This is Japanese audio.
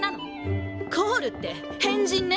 コールって変人ね。